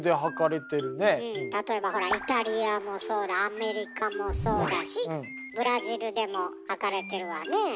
例えばほらイタリアもそうだアメリカもそうだしブラジルでも履かれてるわねえ。